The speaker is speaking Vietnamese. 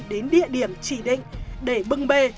đến địa điểm chỉ định để bưng bê